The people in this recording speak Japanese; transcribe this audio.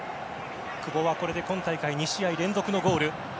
久保はこれで今大会２試合連続のゴール。